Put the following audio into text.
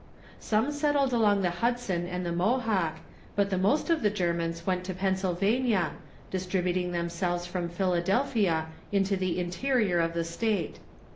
Some set tled along the Hudson and the Mohawk, but the most of the Germans went to Pennsylvania, distributing them selves from Philadelphia into the interior of the State.